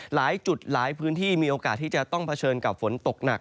หลายจุดหลายพื้นที่มีโอกาสที่จะต้องเผชิญกับฝนตกหนัก